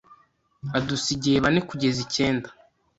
adusigiye bane kugeza icyenda